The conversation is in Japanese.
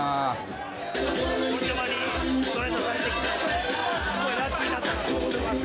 オリオールズにトレードされてきて、すごいラッキーだったなと思ってます。